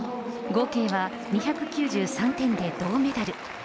合計は２９３点で銅メダル。